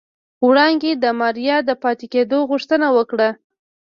وړانګې د ماريا د پاتې کېدو غوښتنه وکړه.